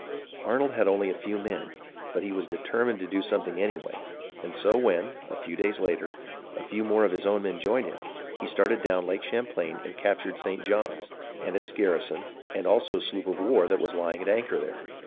Arnold had only a few men ; but he was de termined to do something anyway, and so when, a few days later, a few more of his own men joined him, he started down Lake Champlain and captured St. John's, and its garrison, and also a sloop of war that was lying at anchor there.